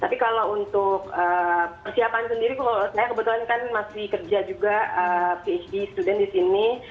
tapi kalau untuk persiapan sendiri saya kebetulan kan masih kerja juga phd student di sini